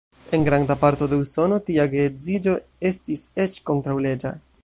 En granda parto de Usono tia geedziĝo estis eĉ kontraŭleĝa.